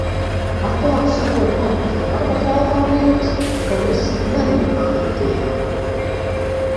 Atklāti sakot, ārpus darba telpām liekas, ka viss nerit kā ikdienā.